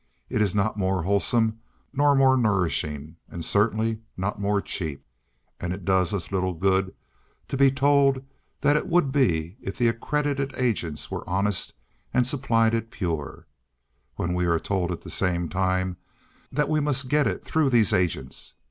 It is not more wholesome, nor more nourishing, and certainly not more cheap: and it does us little good to be told that it would be if the accredited agents were honest and supplied it pure, when we are told, at the same time, that we must get it through these agents.